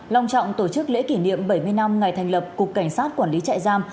lòng trọng tổ chức lễ kỷ niệm bảy mươi năm ngày thành lập cục cảnh sát quản lý trại giam